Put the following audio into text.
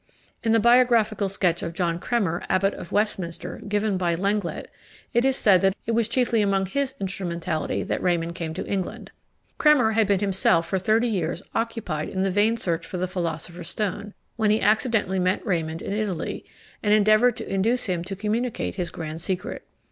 In the biographical sketch of John Cremer, Abbot of Westminster, given by Lenglet, it is said that it was chiefly through his instrumentality that Raymond came to England. Cremer had been himself for thirty years occupied in the vain search for the philosopher's stone, when he accidentally met Raymond in Italy, and endeavoured to induce him to communicate his grand secret.